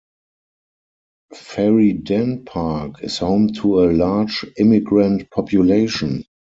Ferryden Park is home to a large immigrant population.